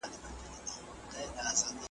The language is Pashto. ښه اخلاق عزت زیاتوي.